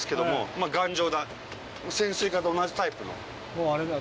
もうあれだ